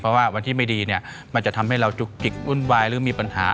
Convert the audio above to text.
เพราะว่าวันที่ไม่ดีเนี่ยมันจะทำให้เราจุกจิกวุ่นวายหรือมีปัญหา